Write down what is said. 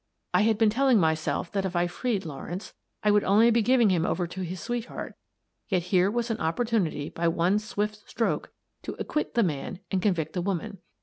I had been telling myself that if I freed Lawrence I would only be giving him over to his sweetheart, yet here was an op portunity by one swift stroke to acquit the man and convict the woman.